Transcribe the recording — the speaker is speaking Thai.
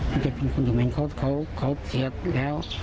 มันจะเป็นคนเขมรเขาเขียนแล้ว